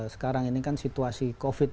sekarang ini kan situasi covid